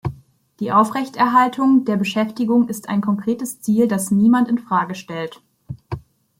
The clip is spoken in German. Die Aufrechterhaltung der Beschäftigung ist ein konkretes Ziel, das niemand in Frage stellt.